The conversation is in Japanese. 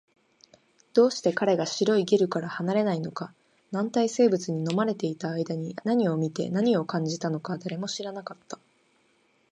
どうして彼が白いゲルから離れないのか、軟体生物に飲まれていた間に何を見て、何を感じたのか、誰も知らなかった